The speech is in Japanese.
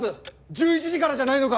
１１時からじゃないのか？